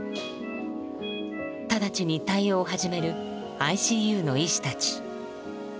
直ちに対応を始めるＩＣＵの医師たち。